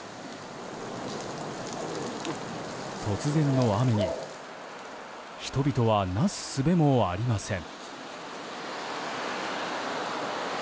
突然の雨に、人々はなす術もありません。